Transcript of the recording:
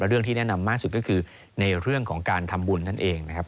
เรื่องที่แนะนำมากสุดก็คือในเรื่องของการทำบุญนั่นเองนะครับ